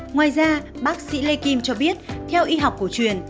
ngoài ra bác sĩ lê kim cho biết theo y học cổ truyền